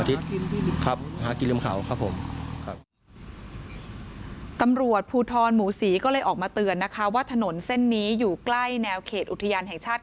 ตำรวจภูทรหมูศรีก็เลยออกมาเตือนนะคะว่าถนนเส้นนี้อยู่ใกล้แนวเขตอุทยานแห่งชาติ